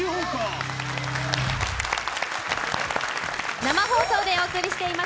生放送でお送りしています